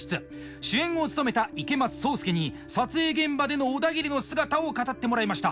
主演を務めた池松壮亮に撮影現場でのオダギリの姿を語ってもらいました。